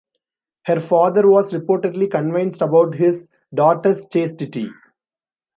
Her father was reportedly convinced about his daughter's chastity.